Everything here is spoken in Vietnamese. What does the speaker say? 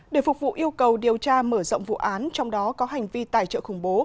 để phục vụ yêu cầu điều tra mở rộng vụ án trong đó có hành vi tài trợ khủng bố